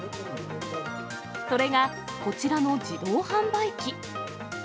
それがこちらの自動販売機。